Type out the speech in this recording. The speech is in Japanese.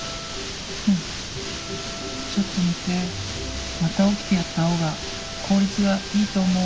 うんちょっと寝てまた起きてやった方が効率がいいと思う。